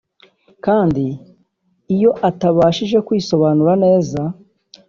kandi iyo atabashije kwisobanura neza